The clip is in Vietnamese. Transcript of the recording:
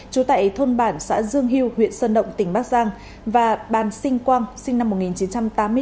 trú tại thôn bản xã dương hưu huyện sơn động tỉnh bắc giang và bàn sinh quang sinh năm một nghìn chín trăm tám mươi bốn